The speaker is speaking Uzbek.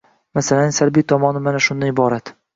Masalaning salbiy tomoni mana shundan iborat.